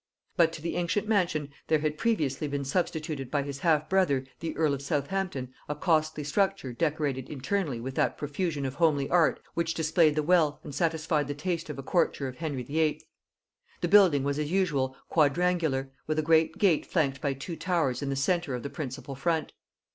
But to the ancient mansion there had previously been substituted by his half brother the earl of Southampton, a costly structure decorated internally with that profusion of homely art which displayed the wealth and satisfied the taste of a courtier of Henry VIII. The building was as usual quadrangular, with a great gate flanked by two towers in the centre of the principal front.